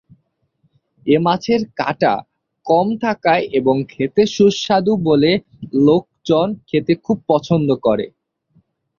এ মাছের কাঁটা কম থাকায় এবং খেতে সুস্বাদু বলে লোকজন খেতে খুব পছন্দ করে।